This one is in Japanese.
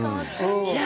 いや、